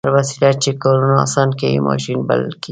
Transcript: هره وسیله چې کارونه اسانه کوي ماشین بلل کیږي.